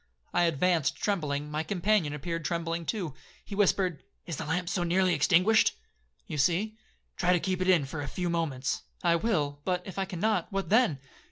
I advanced trembling, my companion appeared trembling too. He whispered, 'Is the lamp so nearly extinguished?'—'You see.'—'Try to keep it in for a few moments.'—'I will; but, if I cannot, what then?'